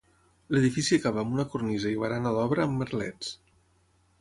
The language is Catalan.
L'edifici acaba amb una cornisa i barana d'obra amb merlets.